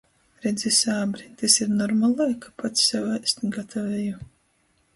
Redzi, sābri, tys ir normalai, ka pats sev ēst gataveju?